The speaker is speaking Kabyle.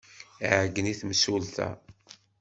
Iɛeyyen i temsulta.